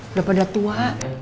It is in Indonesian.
udah pada tua